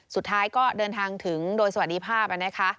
สุดท้ายก็เดินทางถึงโดยสวัสดีภาพนะคะ